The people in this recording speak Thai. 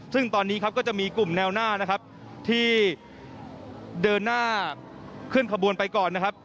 ซึ่งตอนนี้ครับก็จะมีกลุ่มแนวหน้านะครับที่เดินหน้าขึ้นขบวนไปก่อนนะครับ